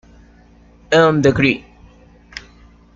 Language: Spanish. End the greed.